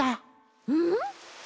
うん？